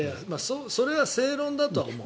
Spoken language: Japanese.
それは正論だとは思う。